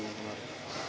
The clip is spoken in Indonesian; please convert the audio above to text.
mulai akhir januari